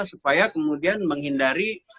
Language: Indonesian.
supaya kemudian menghindari